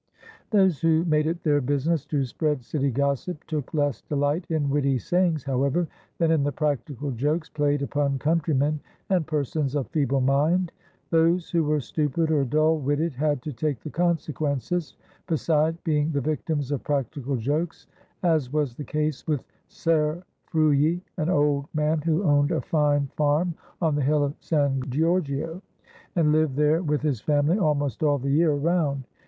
'" Those who made it their business to spread city gossip took less delight in witty sayings, however, than in the practical jokes played upon countrymen and persons of feeble mind. ... Those who were stupid or dull witted had to take the consequences, beside being the victims of practical jokes, as was the case with Ser Frulli, an old man who owned a fine farm on the hill of San Giorgio, and lived there with his family almost all the year round.